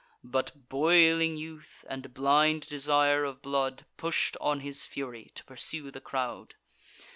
But boiling youth, and blind desire of blood, Push'd on his fury, to pursue the crowd.